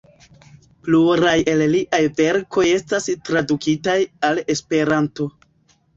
Pluraj el liaj verkoj estas tradukitaj al Esperanto.